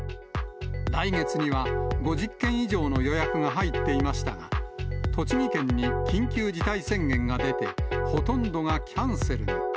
来月には、５０件以上の予約が入っていましたが、栃木県に緊急事態宣言が出て、ほとんどがキャンセルに。